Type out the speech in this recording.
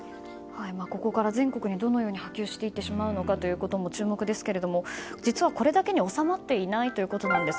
ここから全国にどのように波及していってしまうのかということも注目ですけれども、実はこれだけに収まっていないんです。